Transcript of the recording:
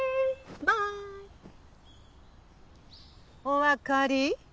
お分かり？